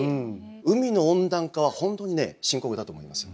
海の温暖化は本当に深刻だと思いますよ。